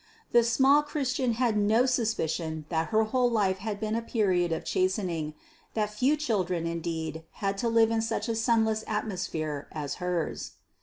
The small Christian had no suspicion that her whole life had been a period of chastening that few children indeed had to live in such a sunless atmosphere as hers.